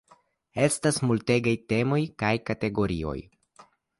Estas multegaj temoj kaj kategorioj.